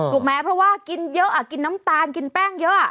ถูกไหมเพราะว่ากินเยอะกินน้ำตาลกินแป้งเยอะ